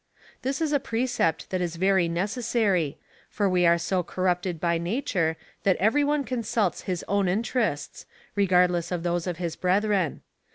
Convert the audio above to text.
This is a precept that is very necessaiy, for we are so corrupted by nature, that every one consults his own inter ests, regardless of those of his brethren.